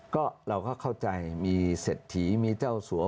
ก็เราก็เข้าใจมีเศรษฐีมีเจ้าสัว